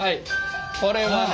これはね